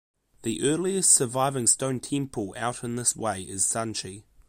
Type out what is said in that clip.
The earliest surviving stone temple set out in this way is Sanchi.